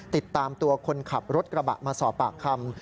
ติดตามตัวคนขับรถกระบะมาสอบปากคำ